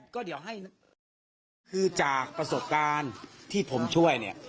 คือจากประสบการณ์ที่ผมช่วยเนี่ย